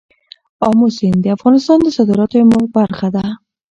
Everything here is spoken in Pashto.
آمو سیند د افغانستان د صادراتو یوه برخه ده.